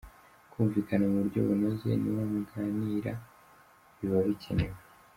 Kumvikana mu buryo bunoze n’uwo muganira biba bikenewe.